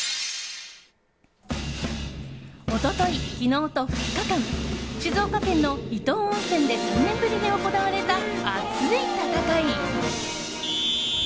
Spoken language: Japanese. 一昨日、昨日と２日間静岡県の伊東温泉で３年ぶりに行われた熱い戦い。